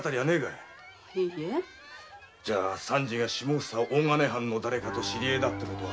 じゃ三次が下総大金藩のだれかと知り合いだって事は？